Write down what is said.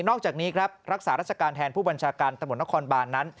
อกจากนี้ครับรักษาราชการแทนผู้บัญชาการตำรวจนครบานนั้น